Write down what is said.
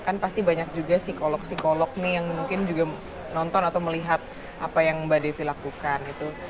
kan pasti banyak juga psikolog psikolog nih yang mungkin juga nonton atau melihat apa yang mbak devi lakukan gitu